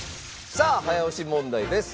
さあ早押し問題です。